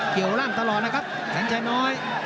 เกี่ยวร่างตลอดนะครับแสนชัยน้อย